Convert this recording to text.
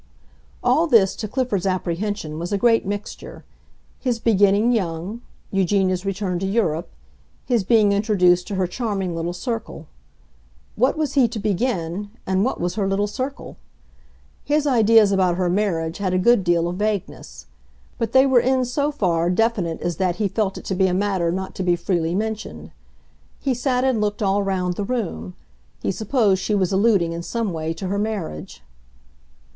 All this, to Clifford's apprehension, was a great mixture—his beginning young, Eugenia's return to Europe, his being introduced to her charming little circle. What was he to begin, and what was her little circle? His ideas about her marriage had a good deal of vagueness; but they were in so far definite as that he felt it to be a matter not to be freely mentioned. He sat and looked all round the room; he supposed she was alluding in some way to her marriage.